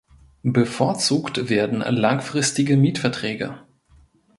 Bevorzugt werden langfristige Mietverträge.